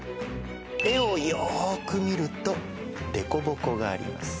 絵をよーく見るとでこぼこがあります。